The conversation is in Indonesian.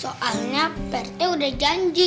soalnya pak rt udah janji